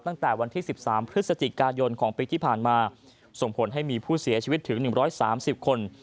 ตั้งแต่วันที่๑๓พฤศจิกายนของปีที่ผ่านมาส่งผลให้มีผู้เสียชีวิตถึง๑๓๐คน